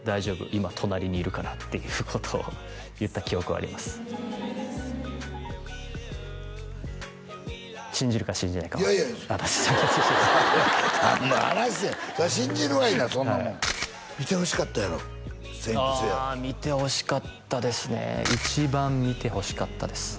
今隣にいるからっていうことを言った記憶はあります信じるか信じないかはいやいや何の話やそりゃ信じるわいなそんなもん見てほしかったやろ「聖闘士星矢」あ見てほしかったですね一番見てほしかったです